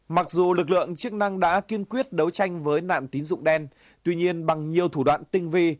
mặc dù lực lượng chức năng đã kiên quyết đấu tranh với nạn tín dụng đen tuy nhiên bằng nhiều thủ đoạn tinh vi